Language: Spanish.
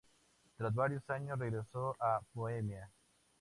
Tras varios años regresó a Bohemia.